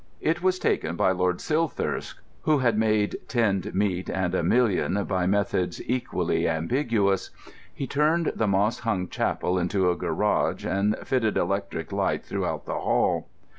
It was taken by Lord Silthirsk, who had made tinned meat and a million by methods equally ambiguous. He turned the moss hung chapel into a garage, and fitted electric light throughout the Hall.